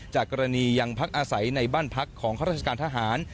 จากกรณียังพักอาศัยในบ้านพักของข้าราชการทหาร